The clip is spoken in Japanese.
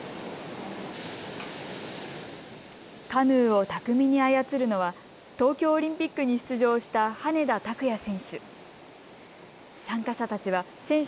カヌーを巧みに操るのは東京オリンピックに出場した羽根田卓也選手。